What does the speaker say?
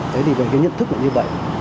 thế thì về cái nhận thức là như vậy